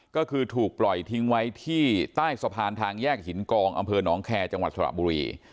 ก็คือถูกปล่อยทิ้งไว้ที่ใต้สะพานทางแยกหินกองอำเภอหนองแคร์จังหวัดสระบุรี